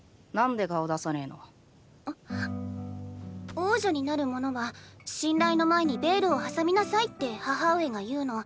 王女になる者は信頼の前にベールをはさみなさいって母上が言うの。